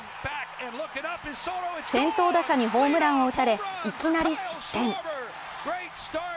先頭打者にホームランを打たれ、いきなり失点。